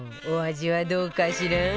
お味はどうかしら？